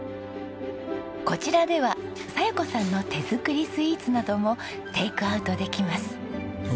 こちらでは佐代子さんの手作りスイーツなどもテイクアウトできます。